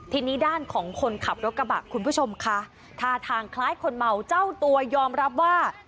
ทีนี้ด้านของคนขับรถกระบะคุณผู้ชมค่ะท่าทางคล้ายคนเมาเจ้าตัวยอมรับว่า